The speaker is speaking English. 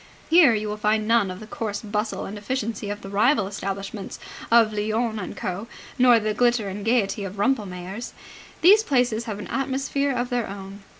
Here you will find none of the coarse bustle and efficiency of the rival establishments of Lyons and Co., nor the glitter and gaiety of Rumpelmayer's. These places have an atmosphere of their own.